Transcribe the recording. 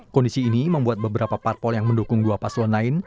kondisi ini membuat beberapa parpol yang mendukung dua paslon lain